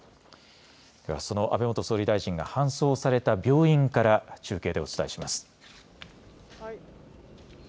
その安倍元総理大臣が搬送された病院から中継でお伝えします。